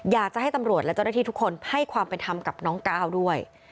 อยากจะให้ตำรวจและเจ้าหน้าที่ทุกคนให้ความเป็นธรรมกับน้องก้าวด้วย